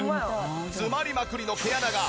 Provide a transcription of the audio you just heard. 詰まりまくりの毛穴が。